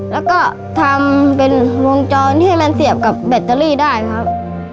แล้วก็ทำเป็นวงจรให้มันเสียบกับแบตเตอรี่ได้ครับ